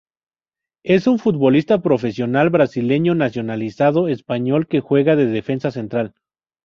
Es un futbolista profesional brasileño nacionalizado español que juega de defensa central.